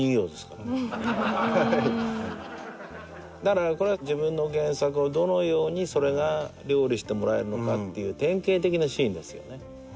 だからこれは自分の原作をどのようにそれが料理してもらえるのかっていう典型的なシーンですよね。